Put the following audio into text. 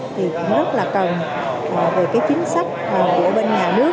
thì cũng rất là cần về chính sách của bên nhà nước